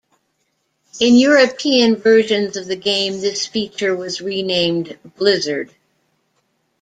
In European versions of the game, this feature was renamed Blizzard.